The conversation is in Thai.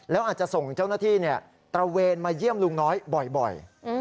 แล้วอาจจะส่งเจ้าหน้าที่ตระเวนมาเยี่ยมลุงน้อยบ่อย